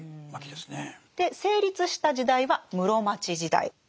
で成立した時代は室町時代。